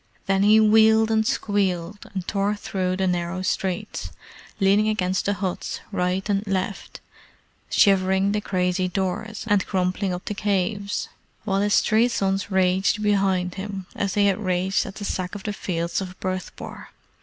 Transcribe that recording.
Then he wheeled and squealed, and tore through the narrow streets, leaning against the huts right and left, shivering the crazy doors, and crumpling up the caves; while his three sons raged behind as they had raged at the Sack of the Fields of Bhurtpore.